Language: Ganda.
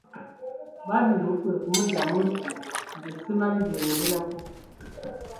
Badru kwe kumuddamu nti:"nze simanyi byoyogerako"